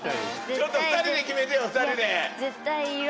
ちょっと２人で決めてよ２人で。